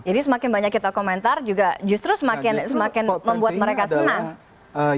jadi semakin banyak kita komentar juga justru semakin membuat mereka senang